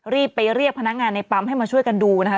รีบไปเรียกพนักงานในปั๊มให้มาช่วยกันดูนะคะ